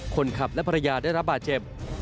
คนขับและภรรยาได้รับบาดเจ็บ